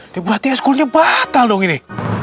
ini berarti ekskulnya batal dong ini